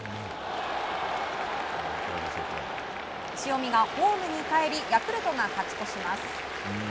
塩見がホームにかえりヤクルトが勝ち越します。